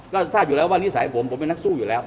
ก็ทราบอยู่แล้วว่านิสัยผมผมเป็นนักสู้อยู่แล้ว